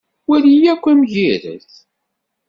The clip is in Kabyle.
Wali akk amgired.